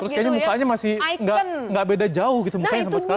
terus kayaknya mukanya masih nggak beda jauh gitu mukanya sampai sekarang